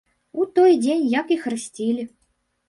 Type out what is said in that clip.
У той дзень, як і хрысцілі.